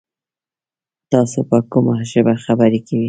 تاسو په کومه ژبه خبري کوی ؟